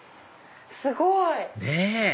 すごい！ねぇ！